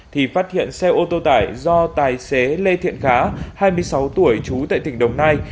thì phát hiện xe ô tô tải do tài xế lê thiện khá hai mươi sáu tuổi trú tại tỉnh đồng nai